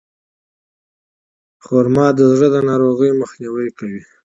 خرما د زړه د ناروغیو مخنیوی کوي.